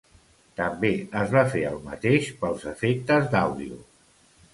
També es va fer el mateix pels efectes d'àudio.